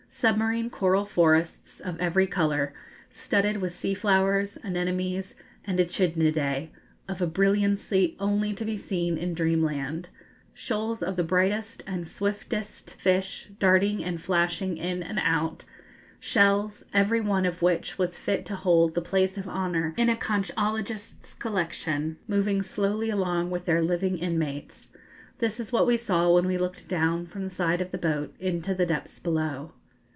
Submarine coral forests, of every colour, studded with sea flowers, anemones, and echinidæ, of a brilliancy only to be seen in dreamland, shoals of the brightest and swiftest fish darting and flashing in and out; shells, everyone of which was fit to hold the place of honour in a conchologist's collection, moving slowly along with their living inmates: this is what we saw when we looked down, from the side of the boat, into the depths below.